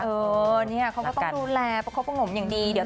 เออเนี้ยเค้าก็ต้องดูแลเพราะเค้าเพ้ออมอย่างดี